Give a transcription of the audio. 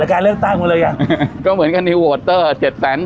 การเลือกตั้งมาเลยอ่ะก็เหมือนกันนิวโวตเตอร์เจ็ดแสน